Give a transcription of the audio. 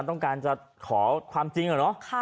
ต้องการจะขอความจริงหรอ